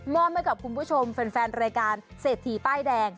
มอบให้กับคุณผู้ชมแฟนรายการเศรษฐีป้ายแดง